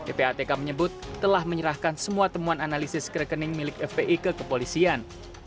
ppatk menyebut telah menyerahkan semua temuan analisis ke rekening milik fpi ke kepolisian